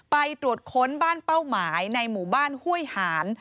ไปตรวจค้นบ้านเป้าหมายในหมู่บ้านห้วยหาน